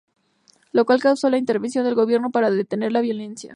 Lo cual causó la intervención del gobierno para detener la violencia.